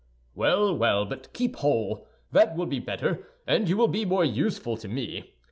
"Well, well, but keep whole; that will be better, and you will be more useful to me.